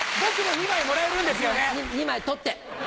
２枚取って。